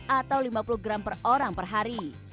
atau lima puluh gram per orang per hari